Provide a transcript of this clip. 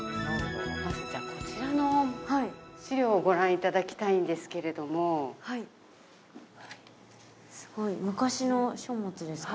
まずじゃあこちらの資料をご覧いただきたいんですけれどもすごい昔の書物ですかね